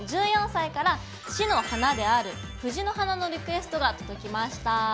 １４歳から市の花である「藤の花」のリクエストが届きました。